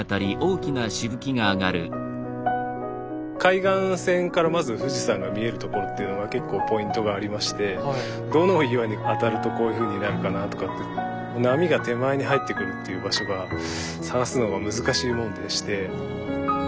海岸線からまず富士山が見える所っていうのが結構ポイントがありましてどの岩に当たるとこういうふうになるのかなとかって波が手前に入ってくるっていう場所が探すのが難しいもんでして。